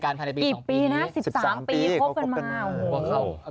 กี่ปีนะ๑๓ปีพบกันมาโอ้โฮพันละปีสองปีพบกันมา